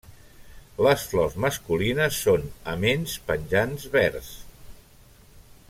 Les flors masculines són aments penjants verds.